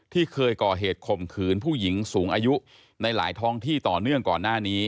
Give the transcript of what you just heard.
ที่เคยก่อเหตุข่มขืนผู้หญิงสูงอายุในหลายท้องที่ต่อเนื่องก่อนหน้านี้